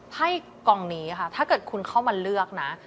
ไพ่กล่องนี้ค่ะถ้าเกิดคุณเข้ามาเลือกนะ